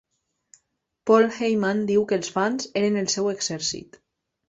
Paul Heyman diu que els fans eren el seu exèrcit.